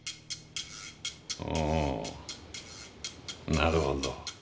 なるほど。